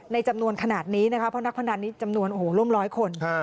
ในจำนวนขนาดนี้นะคะเพราะนักพนันนี้จำนวนโอ้โหร่วมร้อยคน